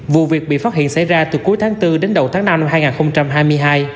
vụ việc bị phát hiện xảy ra từ cuối tháng bốn đến đầu tháng năm năm hai nghìn hai mươi hai